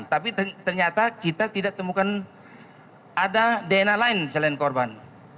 tapi ternyata kita tidak temukan ada dna lain selain korban